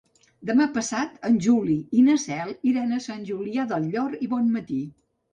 Demà passat en Juli i na Cel iran a Sant Julià del Llor i Bonmatí.